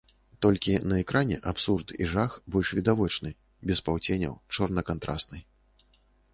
Толькі на экране абсурд і жах больш відавочны, без паўценяў, чорна-кантрасны.